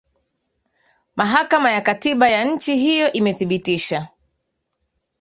mahakama ya katiba ya nchi hiyo imethibitisha